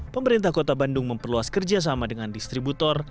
pemerintah kota bandung memperluas kerjasama dengan distributor